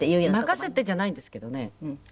「任せて」じゃないんですけどね。